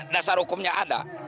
dasar hukumnya ada